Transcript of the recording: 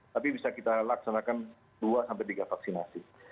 tapi bisa kita laksanakan dua sampai tiga vaksinasi